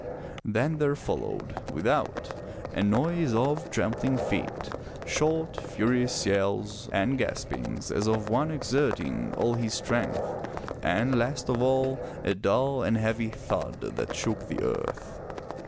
Then there followed, without, a noise of trampling feet, short, furious yells, and gaspings as of one exerting all his strength, and, last of all, a dull and heavy thud that shook the earth.